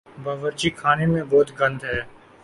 باورچی خانے میں بہت گند ہے